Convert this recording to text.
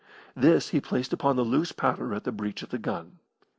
This he placed upon the loose powder at the breach of the gun.